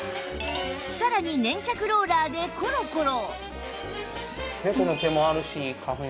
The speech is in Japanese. さらに粘着ローラーでコロコロ